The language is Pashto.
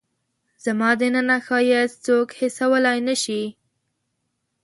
زما دننه ښایست څوک حسولای نه شي